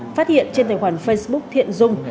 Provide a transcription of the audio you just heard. phát hiện trên tài khoản facebook thiện dung